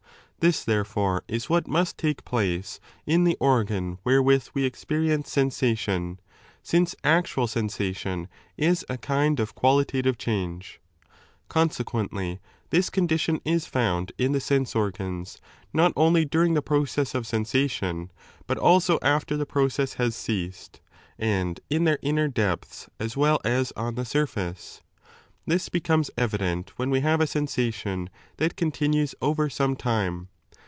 This, therefore, is what must take place in the organ wherewith we experience sensation, since actual sensation is a kind of qualitative change. Conse quently, this condition is found in the sense organs not only during the process of sensation, but also after the process has ceased, and in their inner depths as well as 4 on the surface. This becomes evident when we have a sensation that continues over some time.